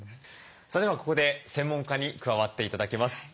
それではここで専門家に加わって頂きます。